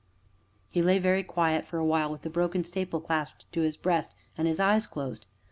He lay very quiet for a while, with the broken staple clasped to his breast, and his eyes closed.